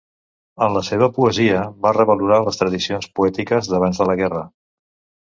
En la seva poesia va revalorar les tradicions poètiques d'abans de la guerra.